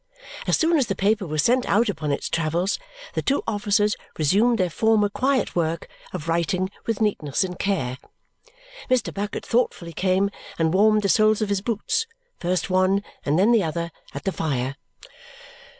As soon as the paper was sent out upon its travels, the two officers resumed their former quiet work of writing with neatness and care. Mr. Bucket thoughtfully came and warmed the soles of his boots, first one and then the other, at the fire.